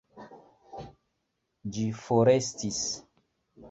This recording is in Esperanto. Ĝi forestis.